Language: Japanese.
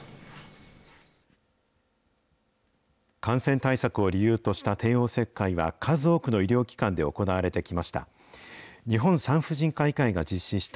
感染対策を理由とした帝王切開は数多くの医療機関で行われてきました。